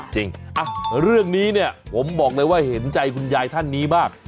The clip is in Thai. จริงเรื่องนี้เนี่ยผมบอกเลยว่าเห็นใจคุณยายท่านนี้มาก